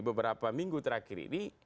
beberapa minggu terakhir ini